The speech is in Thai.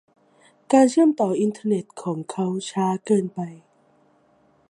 การเชื่อมต่ออินเทอร์เน็ตของเขาช้าเกินไป